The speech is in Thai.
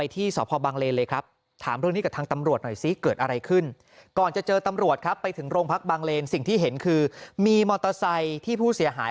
ที่โรงพักบังเลนสิ่งที่เห็นคือมีมอเตอร์ไซที่ผู้เสียหาย